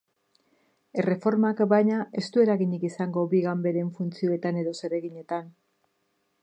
Erreformak, baina, ez du eraginik izango bi ganberen funtzioetan edo zereginetan.